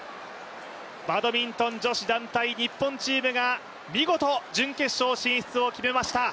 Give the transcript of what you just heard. バドミントン女子団体日本チームが見事準決勝進出を決めました。